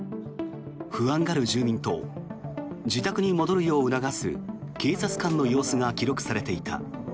不安がる住民と自宅に戻るよう促す警察官の様子が記録されていた。